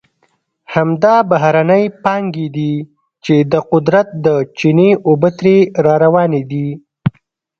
همدا بهرنۍ پانګې دي چې د قدرت د چینې اوبه ترې را روانې دي.